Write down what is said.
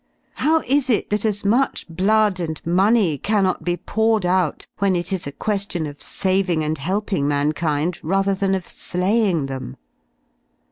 How is it that as much blood and money cannot be poured out when it is a que^ion of saving and helping mankind rather than of slaying them.?